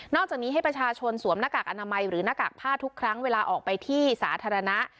จากนี้ให้ประชาชนสวมหน้ากากอนามัยหรือหน้ากากผ้าทุกครั้งเวลาออกไปที่สาธารณะ